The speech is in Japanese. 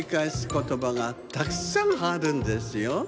ことばがたくさんあるんですよ。